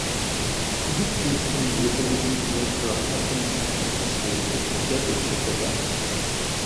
This gives him the ability to enter a heightened state called "Devil Trigger".